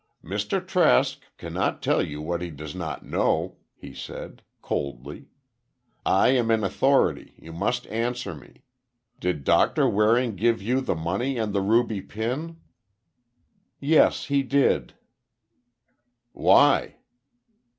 "Mr. Trask cannot tell what he does not know," he said, coldly. "I am in authority, you must answer me. Did Doctor Waring give you the money and the ruby pin?" "Yes, he did." "Why?"